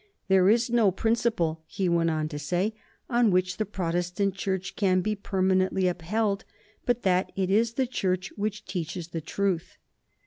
"There is no principle," he went on to say, "on which the Protestant Church can be permanently upheld, but that it is the Church which teaches the truth."